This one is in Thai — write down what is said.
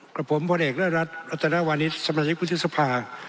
กับผมพลเอกรัฐรัฐรัฐธนาวานิสสมัยกุธิศภา